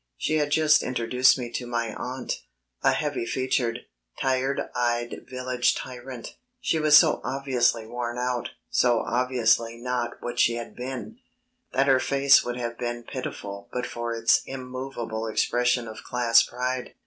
She had just introduced me to my aunt a heavy featured, tired eyed village tyrant. She was so obviously worn out, so obviously "not what she had been," that her face would have been pitiful but for its immovable expression of class pride.